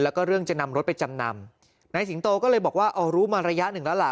แล้วก็เรื่องจะนำรถไปจำนำนายสิงโตก็เลยบอกว่าอ๋อรู้มาระยะหนึ่งแล้วล่ะ